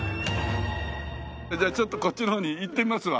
じゃあちょっとこっちの方に行ってみますわ。